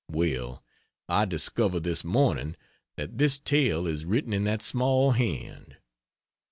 Well, I discover, this morning, that this tale is written in that small hand.